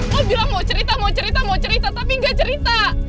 mau bilang mau cerita mau cerita mau cerita tapi enggak cerita